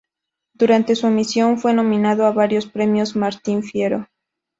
Durante su emisión fue nominado a varios Premios Martín Fierro.